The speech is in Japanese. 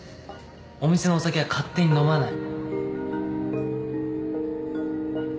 お店のお酒は勝手に飲まない。